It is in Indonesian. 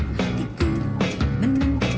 jalan ya pak